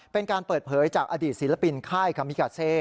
เป็นการเปิดเผยจากอดีตศิลปินค่ายคามิกาเซ